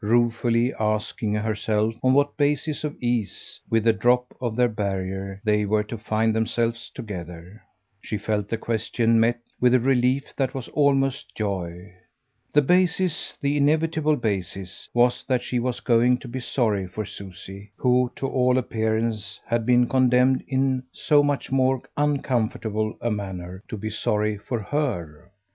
Ruefully asking herself on what basis of ease, with the drop of their barrier, they were to find themselves together, she felt the question met with a relief that was almost joy. The basis, the inevitable basis, was that she was going to be sorry for Susie, who, to all appearance, had been condemned in so much more uncomfortable a manner to be sorry for HER.